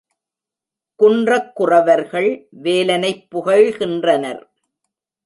குன்றக் குறவர்கள் வேலனைப் புகழ்கின்றனர்.